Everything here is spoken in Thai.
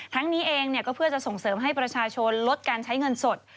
นี้เองก็เพื่อจะส่งเสริมให้ประชาชนลดการใช้เงินสด